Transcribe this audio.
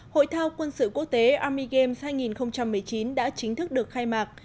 hội thao quân sự quốc tế army games hai nghìn một mươi chín đã chính thức được khai mạc